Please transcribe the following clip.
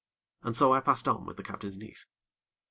And so I passed on with the captain's niece.